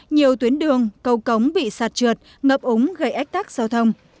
nhiều tuyến đường cầu cống bị sạt trượt ngập úng gây ách tắc giao thông